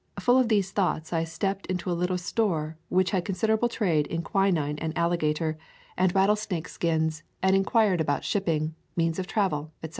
Full of these thoughts, I stepped into a little store which had a con siderable trade in quinine and alligator and [ 124 ] Cedar Keys rattlesnake skins, and inquired about shipping, means of travel, etc.